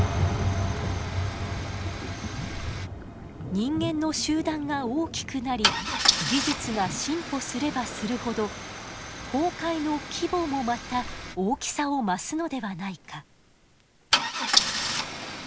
人間の集団が大きくなり技術が進歩すればするほど崩壊の規模もまた大きさを増すのではないか。